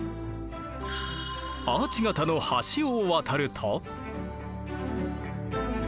アーチ形の橋を渡ると。